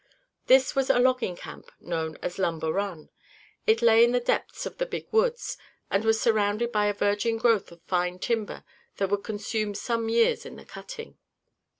This was a logging camp known as Lumber Run. It lay in the depths of the Big Woods, and was surrounded by a virgin growth of fine timber that would consume some years in the cutting.